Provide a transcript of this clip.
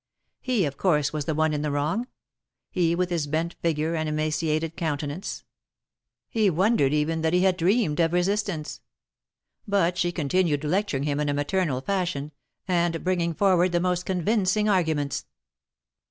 He, of course, was the one in the wrong ; he with his bent figure and emaciated countenance. He wondered even, that he had dreamed of resistance. But she continued lecturing him in a maternal fashion, and bringing forward the most convincing arguments.